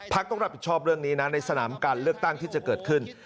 ต้องรับผิดชอบเรื่องนี้นะในสนามการเลือกตั้งที่จะเกิดขึ้น